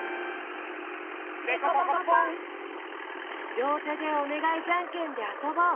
りょうてでおねがいじゃんけんであそぼう！